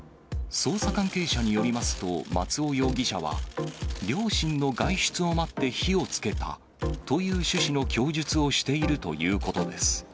捜査関係者によりますと、松尾容疑者は、両親の外出を待って火をつけたという趣旨の供述をしているということです。